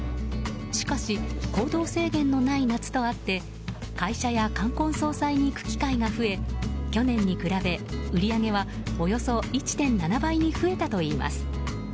しかし行動制限のない夏とあって会社や冠婚葬祭に行く機会が増え去年に比べ売り上げは、およそ１．７倍に増えたといいます。